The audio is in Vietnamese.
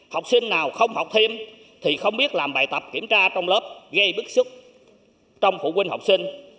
học sinh nào không học thêm thì không biết làm bài tập kiểm tra trong lớp gây bức xúc trong phụ huynh học sinh